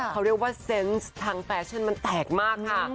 เขาเรียกว่าเซนต์ทางแฟชั่นมันแตกมากค่ะ